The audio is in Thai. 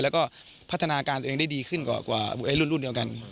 แล้วก็พัฒนาการตัวเองได้ดีขึ้นกว่ารุ่นเดียวกัน